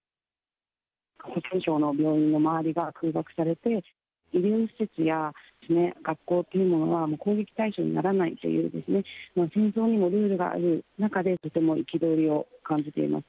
病院の周りが空爆されて、医療施設や学校というのはもう攻撃対象にならないというですね、戦争にもルールがある中で、とても憤りを感じています。